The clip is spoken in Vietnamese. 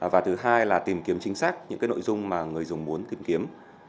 và thứ hai là tìm kiếm chính xác những nội dung mà người dùng muốn tìm kiếm